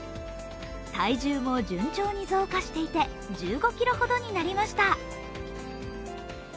体重も順調に増加していて１５ｋｇほどになりました。